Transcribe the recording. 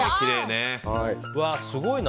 すごいな。